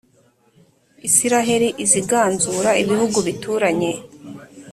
israheli iziganzura ibihugu bituranye